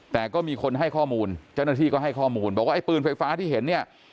แต่ก็มีคนให้ข้อมูลเจ้าหน้าที่ก็ให้ข้อมูลบอกว่าไอ้ปืนไฟฟ้าที่เห็นเนี่ย